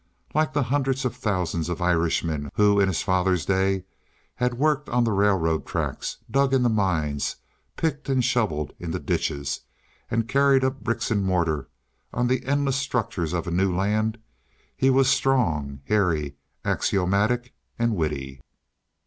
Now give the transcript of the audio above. Like the hundreds of thousands of Irishmen who in his father's day had worked on the railroad tracks, dug in the mines, picked and shoveled in the ditches, and carried up bricks and mortar on the endless structures of a new land, he was strong, hairy, axiomatic, and witty.